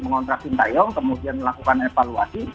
mengontrak sintayong kemudian melakukan evaluasi